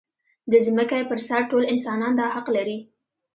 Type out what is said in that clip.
د ځمکې پر سر ټول انسانان دا حق لري.